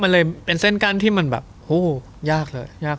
มันเลยเป็นเส้นกั้นที่มันบางแบบ